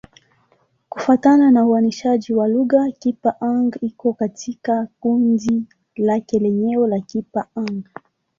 Kufuatana na uainishaji wa lugha, Kipa-Hng iko katika kundi lake lenyewe la Kipa-Hng.